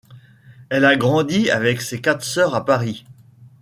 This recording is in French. Elle a grandi avec ses quatre sœurs à Paris.